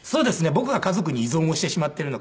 僕が家族に依存をしてしまっているのか。